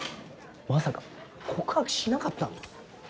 まさか告白しなかったの？